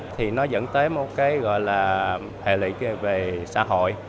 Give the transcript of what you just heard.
thì nó dẫn tới một cái gọi là hệ lụy về xã hội